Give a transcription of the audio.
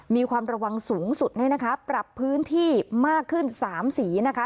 มีความระวังสูงสุดเนี่ยนะคะปรับพื้นที่มากขึ้น๓สีนะคะ